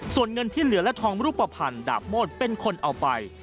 ส่วนเงินที่เหลือและทองรูปภัณฑ์ดาบโมดเป็นคนเอาไป